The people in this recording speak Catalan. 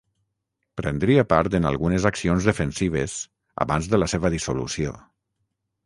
Prendria part en algunes accions defensives, abans de la seva dissolució.